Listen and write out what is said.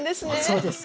そうです。